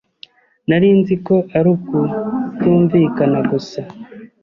Nari nzi ko ari ukutumvikana gusa.